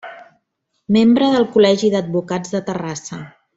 Membre del Col·legi d'Advocats de Terrassa.